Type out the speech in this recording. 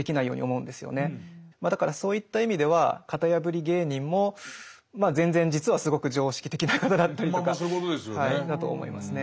まあだからそういった意味では型破り芸人もまあ全然実はすごく常識的な方だったりとかだと思いますね。